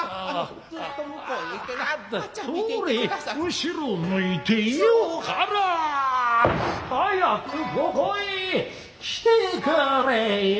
後ろ向ていようから早くここへ来てくれよ。